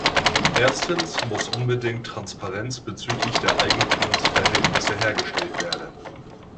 Erstens muss unbedingt Transparenz bezüglich der Eigentumsverhältnisse hergestellt werden.